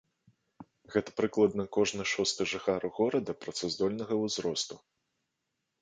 Гэта прыкладна кожны шосты жыхар горада працаздольнага ўзросту.